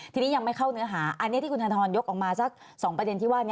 ทีนี้ยังไม่เข้าเนื้อหาอันนี้ที่คุณธนทรยกออกมาสัก๒ประเด็นที่ว่า